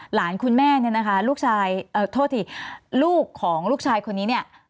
หลานคุณแม่เนี่ยนะคะลูกชายโทษทีลูกของลูกชายคนนี้เนี่ย